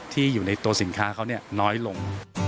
อยู่ในตัวสินค้าเขาน้อยลง